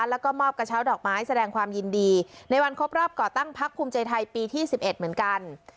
แล้วก็มอบกระเช้าดอกไม้แสดงความยินดีในวันครบรอบก่อตั้งพักภูมิใจไทยปีที่๑๑เหมือนกัน